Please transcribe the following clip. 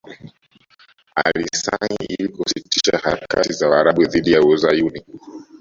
Alisaini ili kusitisha harakati za Waarabu dhidi ya Uzayuni